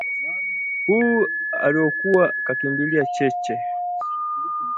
huu aliokuwa kakimbilia Cheche